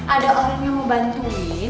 ada orang yang mau bantuin